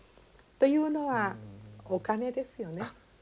というのはお金ですよね。